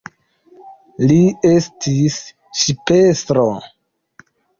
Li estis ŝipestro.